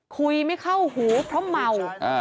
คุยไม่เข้าหูเพราะเมา